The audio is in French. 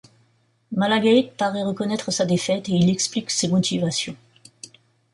Malagate parait reconnaître sa défaite, et il explique ses motivations.